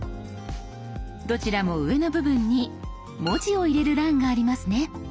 どちらも上の部分に文字を入れる欄がありますね。